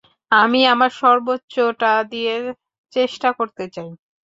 আমি আমার সর্বোচ্চটা দিয়ে চেষ্টা করতে চাই।